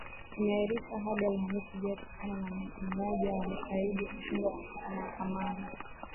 imeahirishwa hadi alhamisi ijayo kutokana na moja wa mashahidi kushindwa kufika mahakamani